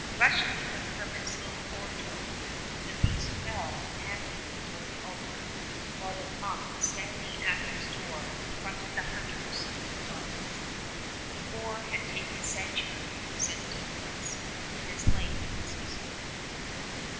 Rushing into the hermit's little ora tory the beast fell panting before the altar, while the monk standing at his door confronted the hunters and the dogs. The boar had taken sanctuary, said Deicolus, and its life must be spared.